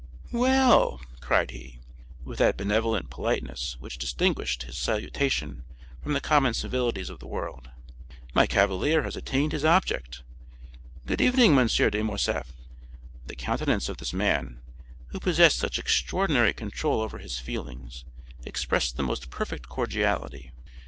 "Well," cried he, with that benevolent politeness which distinguished his salutation from the common civilities of the world, "my cavalier has attained his object. Good evening, M. de Morcerf." The countenance of this man, who possessed such extraordinary control over his feelings, expressed the most perfect cordiality.